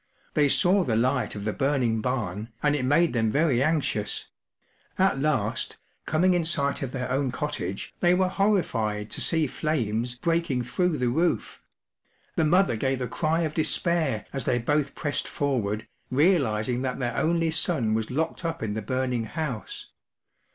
They saw the light of the burning barn, and it made them very anxious ; at last, coming in sight of their own cottage, they were horrified to see flames breaking through the roof; the mother gave a cry of despair as they both pressed forward, realizing that their only son was locked up in the burning house.